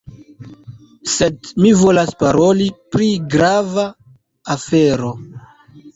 Sed mi volas paroli pri grava afero.